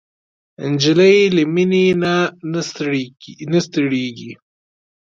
نجلۍ له مینې نه نه ستړېږي.